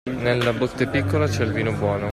Nella botte piccola c'è il vino buono.